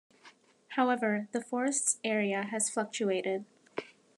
However, the forest's area has fluctuated.